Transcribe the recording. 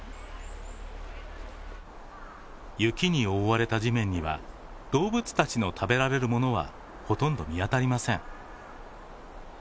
雪に覆われた地面には動物たちの食べられる物はほとんど見当たりません。